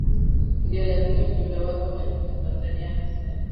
ndio lakini ujumbe wake unatoka tanzania anasema